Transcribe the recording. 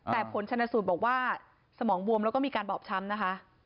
แต่ผลชนสูตรบอกว่าสมองบวมแล้วก็มีการบอบช้ำนะคะ